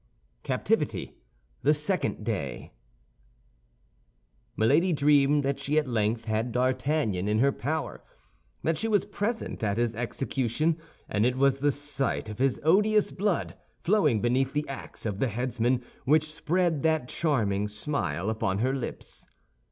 CAPTIVITY: THE SECOND DAY Milady dreamed that she at length had D'Artagnan in her power, that she was present at his execution; and it was the sight of his odious blood, flowing beneath the ax of the headsman, which spread that charming smile upon her lips.